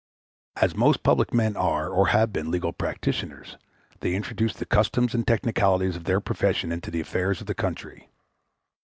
As most public men are, or have been, legal practitioners, they introduce the customs and technicalities of their profession into the affairs of the country.